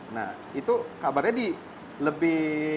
nah itu kabarnya lebih